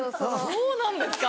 そうなんですか？